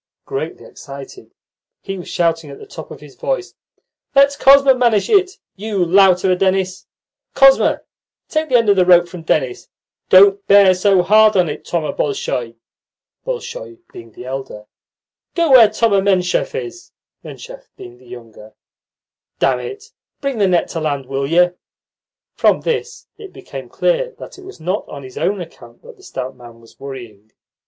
Greatly excited, he was shouting at the top of his voice: "Let Kosma manage it, you lout of a Denis! Kosma, take the end of the rope from Denis! Don't bear so hard on it, Thoma Bolshoy ! Go where Thoma Menshov is! Damn it, bring the net to land, will you!" From this it became clear that it was not on his own account that the stout man was worrying.